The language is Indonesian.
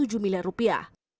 menteri pembangunan internasional